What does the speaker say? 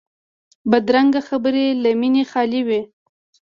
بدرنګه خبرې له مینې خالي وي